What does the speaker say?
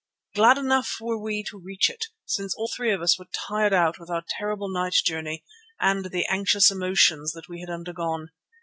Glad enough were we to reach it, since all three of us were tired out with our terrible night journey and the anxious emotions that we had undergone.